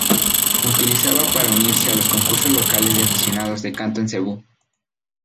Utilizaba para unirse a los concursos locales de aficionados de canto en Cebú.